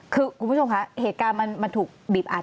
คือคุณผู้ชมคะเหตุการณ์มันถูกบีบอัด